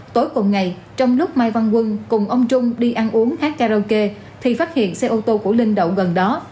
tối cùng ngày trong lúc mai văn quân cùng ông trung đi ăn uống hát karaoke thì phát hiện xe ô tô của linh đậu gần đó